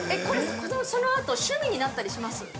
◆そのあと趣味になったりします？